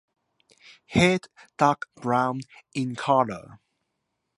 Head dark brown in color.